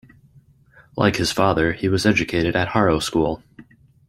Like his father, he was educated at Harrow School.